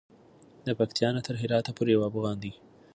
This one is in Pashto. د پکتیا نه تر هراته پورې یو افغان دی.